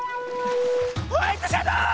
ホワイトシャドー！